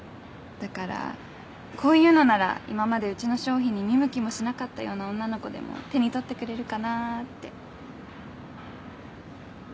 だからこういうのなら今までうちの商品に見向きもしなかったような女の子でも手に取ってくれるかなって。